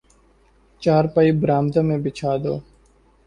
چارپائی برآمدہ میں بچھا دو